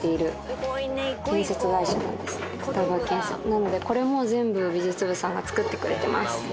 「なのでこれも全部美術部さんが作ってくれてます」